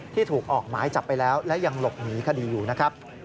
ที่ถูกออกหมายจับไปแล้วและยังหลบหนีคดีอยู่นะครับ